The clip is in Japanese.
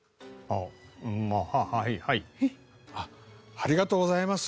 ありがとうございます。